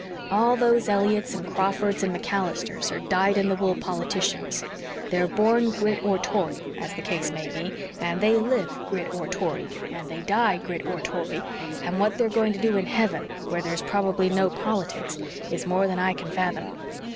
All those Elliotts and Crawfords and MacAllisters are dyed in the wool politicians. They're born Grit or Tory, as the case may be, and they live Grit or Tory, and they die Grit or Tory; and what they're going to do in heaven, where there's probably no politics, is more than I can fathom.